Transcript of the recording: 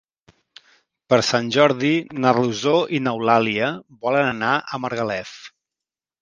Per Sant Jordi na Rosó i n'Eulàlia volen anar a Margalef.